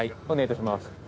お願い致します。